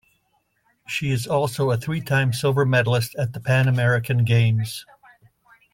She is also a three-time silver medallist at the Pan American Games.